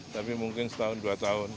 tapi mungkin setahun dua tahun